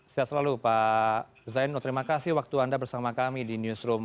sehat selalu pak zainul terima kasih waktu anda bersama kami di newsroom